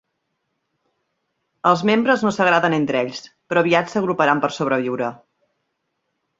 Els membres no s'agraden entre ells, però aviat s'agruparan per sobreviure.